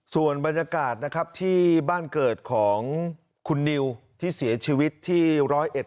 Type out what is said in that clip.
ส่วนบรรยากาศนะครับที่บ้านเกิดของคุณนิวที่เสียชีวิตที่ร้อยเอ็ด